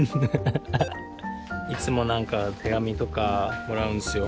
いつも何か手紙とかもらうんですよ。